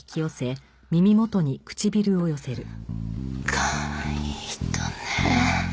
かわいい人ね。